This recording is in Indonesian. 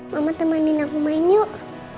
mama temenin aku main yuk